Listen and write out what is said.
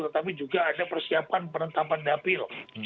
tetapi juga ada persiapan penetapan dapil